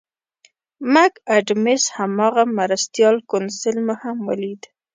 مک اډمز هماغه مرستیال کونسل مو هم ولید.